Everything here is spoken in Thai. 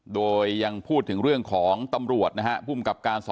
โดยยังพูดถึงเรื่องของตำรวจนะฮะภูมิกับการ